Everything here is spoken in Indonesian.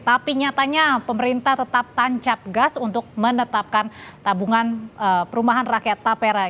tapi nyatanya pemerintah tetap tancap gas untuk menetapkan tabungan perumahan rakyat tapera